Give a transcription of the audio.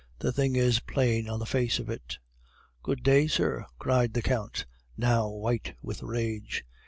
The thing is plain on the face of it!' "'Good day, sir!' cried the Count, now white with rage.